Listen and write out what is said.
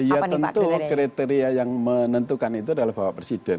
ya tentu kriteria yang menentukan itu adalah bapak presiden